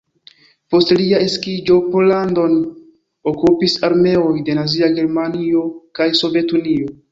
Post lia eksiĝo Pollandon okupis armeoj de Nazia Germanio kaj Sovetunio.